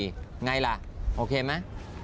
อย่างไรล่ะโอเคไหม